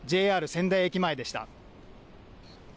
ＪＲ仙台駅前でした。